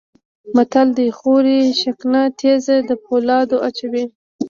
متل دی: خوري شکنه تیز د پولاو اچوي.